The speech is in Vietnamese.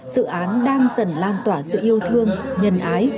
dự án đang dần lan tỏa sự yêu thương nhân ái